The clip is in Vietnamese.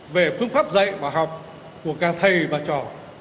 về phương pháp dạy và học của cả thầy và trò